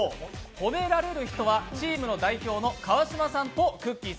褒められるのはチームの代表の川島さんとくっきー！